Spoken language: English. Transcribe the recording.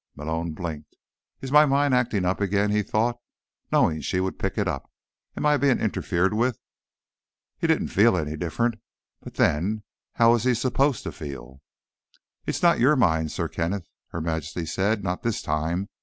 Malone blinked. Is my mind acting up again? he thought, knowing she would pick it up. Am I being interfered with? He didn't feel any different. But then, how was he supposed to feel? "It's not your mind, Sir Kenneth," Her Majesty said. "Not this time.